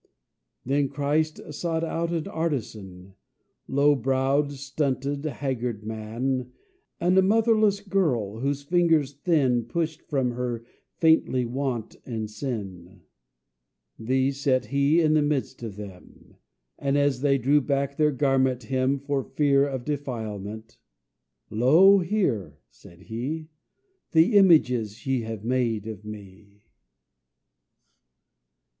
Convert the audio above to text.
Then Christ sought out an artisan, A low browed, stunted, haggard man, And a motherless girl, whose fingers thin Pushed from her faintly want and sin. These set he in the midst of them, And as they drew back their garment hem, For fear of defilement, "Lo, here," said he, "The images ye have made of me!"